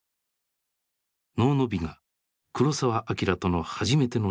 「能の美」が黒澤明との初めての仕事だった。